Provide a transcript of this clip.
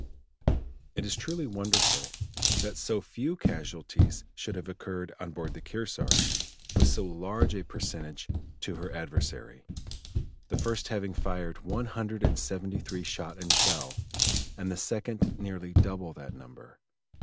It is truly wonderful that so few casualties should have occurred on board the Kearsarge with so large a percentage to her adversary the first having fired one hundred and seventy three shot and shell, and the second nearly double that number.